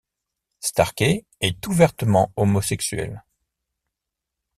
Starkey est ouvertement homosexuel.